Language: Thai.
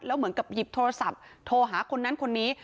แล้วเหมือนกับหยิบโทรศัพท์โทรหาคนนั้นคนนี้